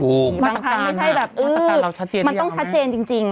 บางทางไม่ใช่แบบมันต้องชัดเจนจริง